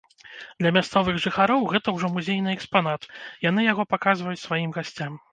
Для мясцовых жыхароў гэта ўжо музейны экспанат, яны яго паказваюць сваім гасцям.